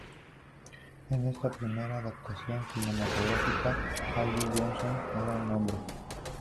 En esta primera adaptación cinematográfica, Hildy Johnson era un hombre.